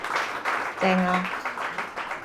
正呀！